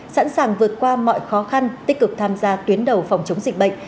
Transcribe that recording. sẵn sàng vượt qua mọi khó khăn tích cực tham gia tuyến đầu phòng chống dịch bệnh